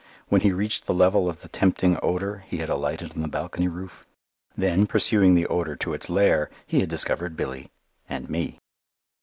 When he reached the level of the tempting odour, he had alighted on the balcony roof. Then, pursuing the odour to its lair, he had discovered Billy, and me!